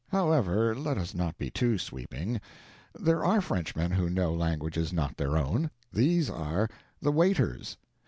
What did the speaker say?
However, let us not be too sweeping; there are Frenchmen who know languages not their own: these are the waiters.